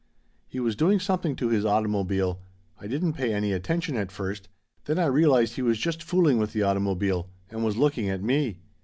"He was doing something to his automobile. I didn't pay any attention at first then I realized he was just fooling with the automobile and was looking at me.